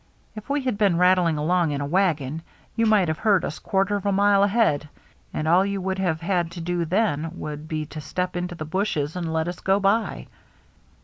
If we had been rattling along in a wagon, you might have heard us quarter of a mile ahead, and all you would have had to do then would be to step into the bushes and let us go by."